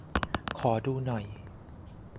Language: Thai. ขอดูหน่อย